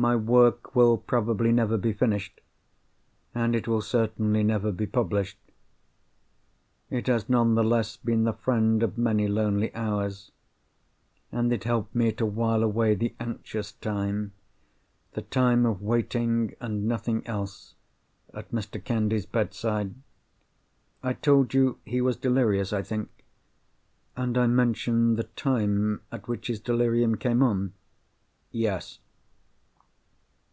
My work will probably never be finished; and it will certainly never be published. It has none the less been the friend of many lonely hours; and it helped me to while away the anxious time—the time of waiting, and nothing else—at Mr. Candy's bedside. I told you he was delirious, I think? And I mentioned the time at which his delirium came on?" "Yes."